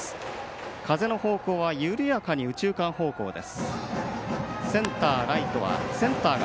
風の方向は緩やかに右中間方向です。